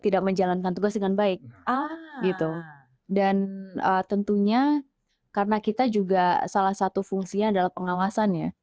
dan tentunya karena kita juga salah satu fungsinya adalah pengawasannya